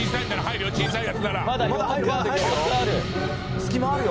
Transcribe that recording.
隙間あるよ